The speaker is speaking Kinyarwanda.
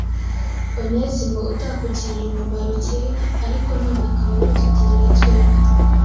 Onesimo utakugiriraga umumaro kera, ariko none akaba awutugirira twembi